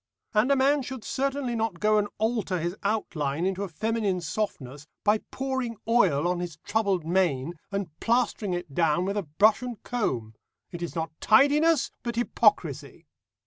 And a man should certainly not go and alter his outline into a feminine softness, by pouring oil on his troubled mane and plastering it down with a brush and comb. It is not tidiness, but hypocrisy.